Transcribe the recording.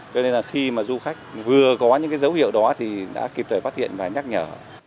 cho nên là khi mà du khách vừa có những cái dấu hiệu đó thì đã kịp thời phát hiện và nhắc nhở